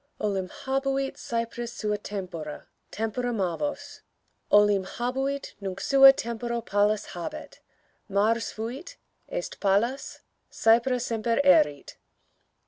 _Olim habuit Cypris sua tempora: tempora Mavos Olim habuit; nunc sua tempora Pallas habet: Mars fuit; est Pallas; Cypra semper erit.